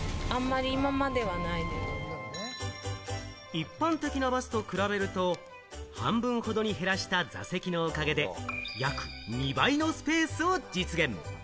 一般的なバスと比べると、半分ほどに減らした座席のおかげで約２倍のスペースを実現。